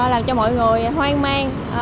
làm cho mọi người hoang mang